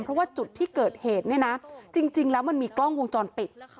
เพราะว่าจุดที่เกิดเหตุเนี่ยนะจริงแล้วมันมีกล้องวงจรปิด